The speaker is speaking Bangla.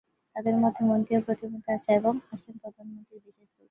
তাঁদের মধ্যে মন্ত্রী ও প্রতিমন্ত্রী আছেন এবং আছেন প্রধানমন্ত্রীর বিশেষ দূত।